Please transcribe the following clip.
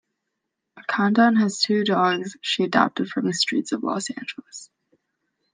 Condon has two dogs she adopted from the streets of Los Angeles.